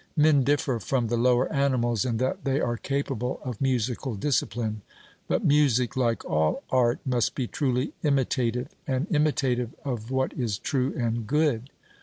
Men differ from the lower animals in that they are capable of musical discipline. But music, like all art, must be truly imitative, and imitative of what is true and good.